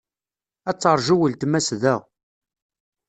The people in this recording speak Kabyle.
Ad teṛju weltma-s da.